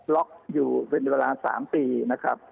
ล็อคอยู่เวลา๓ปีนะครับ